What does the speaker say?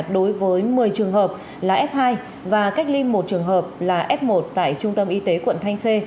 đối với một mươi trường hợp là f hai và cách ly một trường hợp là f một tại trung tâm y tế quận thanh khê